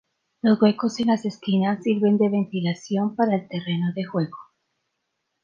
Los huecos en las esquinas sirven de ventilación para el terreno de juego.